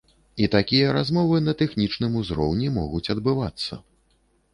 І такія размовы на тэхнічным узроўні могуць адбывацца.